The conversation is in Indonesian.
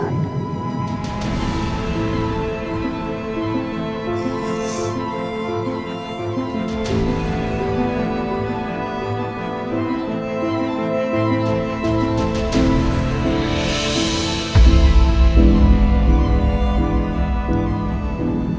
aku mau ke rumah